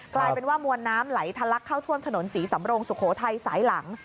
กลายเป็นว่ามวลน้ำไหลทะลักเข้าท่วมถนนศรีสำรงสุโขทัยสายหลัง